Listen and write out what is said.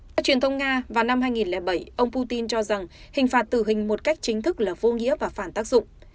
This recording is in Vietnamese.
theo truyền thông nga vào năm hai nghìn bảy ông putin cho rằng hình phạt tử hình một cách chính thức là vô nghĩa và phản tác dụng